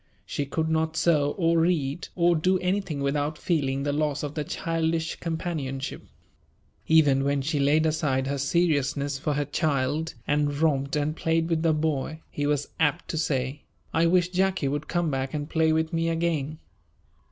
She could not sew or read or do anything without feeling the loss of the childish companionship. Even when she laid aside her seriousness for her child and romped and played with the boy, he was apt to say, "I wish Jacky would come back and play with me again."